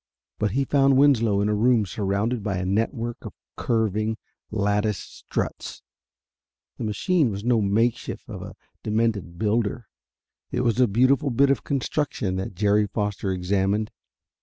But he found Winslow in a room surrounded by a network of curving, latticed struts. The machine was no makeshift of a demented builder: it was a beautiful bit of construction that Jerry Foster examined.